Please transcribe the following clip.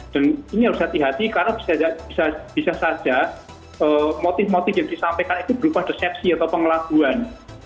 dan ini harus hati hati karena bisa saja motif motif yang disampaikan itu berupa resepsi atau pengelakuan